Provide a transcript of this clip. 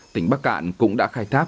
tỉnh bắc cạn cũng đã khai tháp